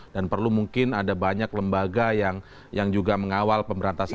dan perlu mungkin ada banyak lembaga yang juga mengawal pemberantasan